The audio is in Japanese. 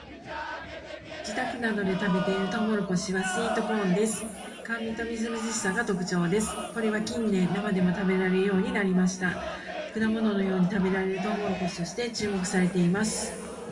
自宅などで食べているトウモロコシはスイートコーンです。甘味とみずみずしさが特徴です。これは近年生でも食べられるようになりました。果物のように食べられるトウモロコシとして注目されています。